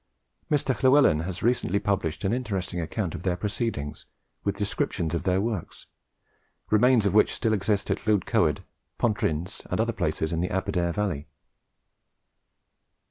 Mr. Llewellin has recently published an interesting account of their proceedings, with descriptions of their works, remains of which still exist at Llwydcoed, Pontyryns, and other places in the Aberdare valley.